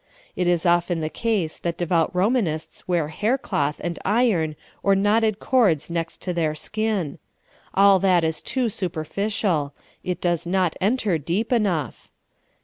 It is often the case that devout Romanists wear hair cloth and iron or knotted cords next to their skin. All that is too superficial ; it does not enter deep enough.